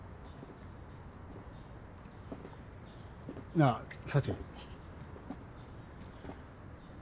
なあ幸。